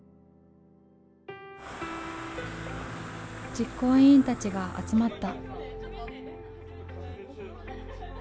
実行委員たちが集まった。